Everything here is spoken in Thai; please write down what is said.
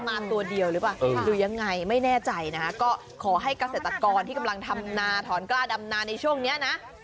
มาตัวเดียวหรือเปล่าหรือยังไงไม่แน่ใจนะฮะก็ขอให้เกษตรกรที่กำลังทำนาถอนกล้าดำนาในช่วงนี้นะ